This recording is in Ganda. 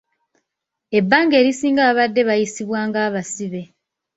Ebbanga erisinga babadde bayisibwa nga basibe.